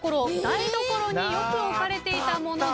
台所によく置かれていたものです。